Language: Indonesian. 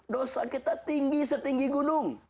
dosa kita tinggi setinggi gunung